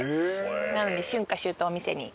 なので、春夏秋冬を見せに。